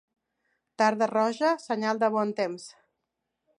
Tarda roja, senyal de bon temps.